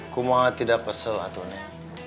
kumohon tidak kesel lah tuh neng